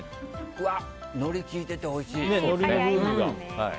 のり利いてておいしい！